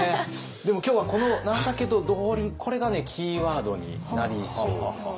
でも今日はこのこれがキーワードになりそうです。